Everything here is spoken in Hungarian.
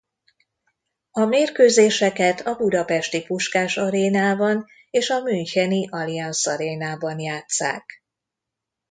A mérkőzéseket a budapesti Puskás Arénában és a müncheni Allianz Arenában játsszák.